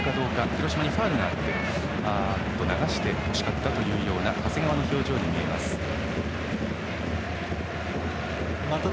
広島にファウルがありましたが流してほしかったという長谷川の表情に見えました。